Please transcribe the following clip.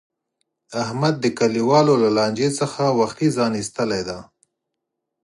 احمد د کلیوالو له لانجې څخه وختي ځان ایستلی دی.